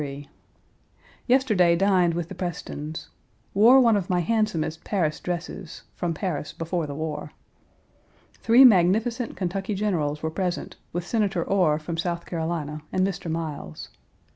Yesterday dined with the Prestons. Wore one of my handsomest Paris dresses (from Paris before the war). Three magnificent Kentucky generals were present, with Senator Orr from South Carolina, and Mr. Miles.